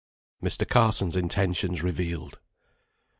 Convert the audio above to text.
MR. CARSON'S INTENTIONS REVEALED.